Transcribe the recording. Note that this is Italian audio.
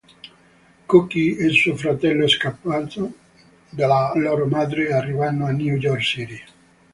Cookie e suo fratello scappano dalla loro madre e arrivano a New York City.